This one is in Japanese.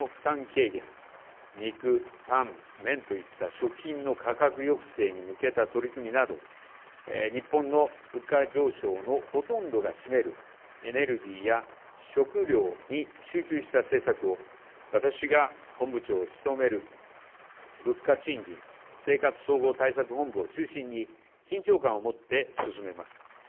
軽減肉、パン、麺といった食品の価格抑制に向けた取り組みなど日本の物価上昇のほとんどを占めるエネルギーや食料に集中した政策を私が本部長を務める物価・賃金・生活総合対策本部を中心に緊張感を持って進めます。